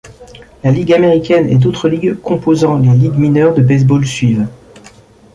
La Ligue américaine et d'autres ligues composant les Ligues mineures de baseball suivent.